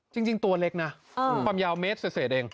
จริงตัวเล็กนะความยาวเมตรเศษเอง